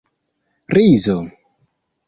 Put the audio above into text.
rizo